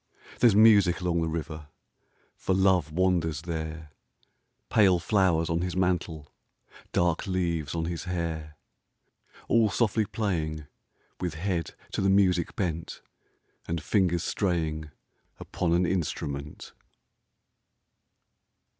There's music along the river For Love wanders there, Pale flowers on his mantle. Dark leaves on his hair. All softly playing, With head to the music bent, And fingers straying Upon an instrument.